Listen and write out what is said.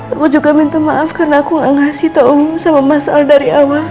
aku juga minta maaf karena aku nggak ngasih tahu sama masalah dari awal